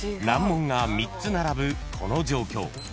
［難問が３つ並ぶこの状況］